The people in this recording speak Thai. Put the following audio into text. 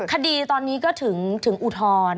คดีตอนนี้ก็ถึงอุทธรณ์